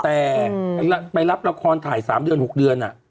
แต่ไปรับละครถ่าย๓เดือน๖เดือน